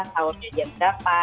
saurnya sejak berapa